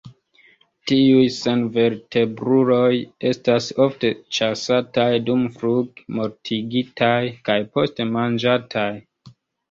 Tiuj senvertebruloj estas ofte ĉasataj dumfluge, mortigitaj kaj poste manĝataj.